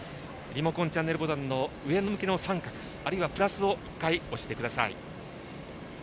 リモコン、チャンネルボタンの上向きの三角、あるいはプラスを１回押してください。